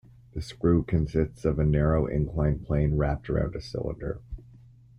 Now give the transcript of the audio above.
The screw consists of a narrow inclined plane wrapped around a cylinder.